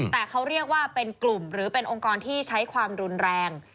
แต่เขาเรียกว่าเป็นกลุ่มหรือเป็นองค์กรที่ใช้ความรุนแรง